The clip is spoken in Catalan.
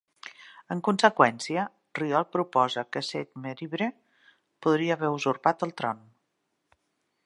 En conseqüència, Ryholt proposa que Seth Meribre podria haver usurpat el tron.